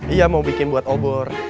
iya mau bikin buat obor